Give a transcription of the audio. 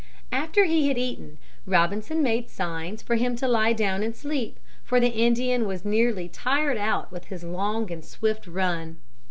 After he had eaten, Robinson made signs for him to lie down and sleep, for the Indian was nearly tired out with his long and swift run.